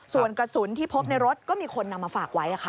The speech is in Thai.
ส่วนกระสุนที่พบในรถก็มีคนนำมาฝากไว้